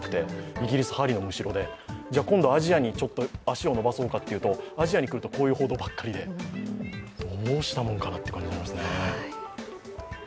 イギリス、針のむしろで、今度アジアに足を伸ばそうかというと、アジアに来るとこういう報道ばかりでどうしたもんかなという感じになりますね。